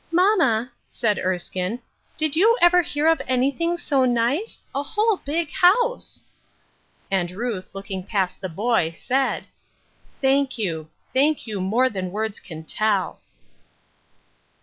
"" Mamma," said Erskine, " did you ever hear of anything so nice ? A whole big house !" And Ruth, looking past the boy, said, —" Thank you ; thank you more than words can tell